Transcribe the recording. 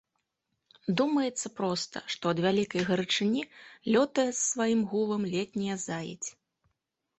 Думаецца проста, што ад вялікай гарачыні лётае з сваім гулам летняя заедзь.